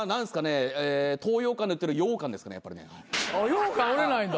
ようかん売れないんだ。